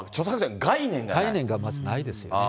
概念がまずないですよね。